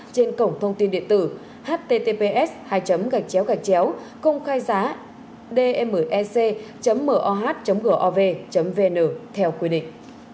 trên cổng thông tin điện tử https hai công khai giá dmec moh gov vn theo quy định